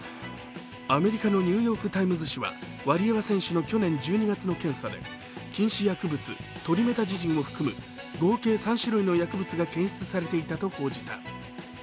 アメリカの「ニューヨーク・タイムズ」紙はワリエワ選手が去年１２月の検査で禁止薬物・トリメタジジンを含む合計３種類の禁止薬物が検出されていたと報じた。